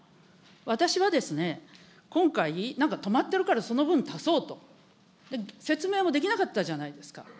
私は今回、なんか止まってるから、その分足そうと、説明もできなかったじゃないですか。